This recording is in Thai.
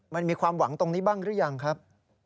มันมีความหวังตรงนี้บ้างหรือยังครับ